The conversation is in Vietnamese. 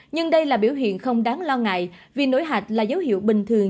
nhưng đây là biểu hiện không đáng lo ngại vì nổi hạch là dấu hiệu bình thường